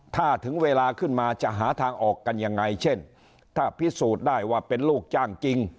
ถ้าถึงเวลาขึ้นมาจะหาทางออกกันยังไงเช่นถ้าพิสูจน์ได้ว่าเป็นลูกจ้างจริง